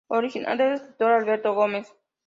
Original del escritor Alberto Gómez.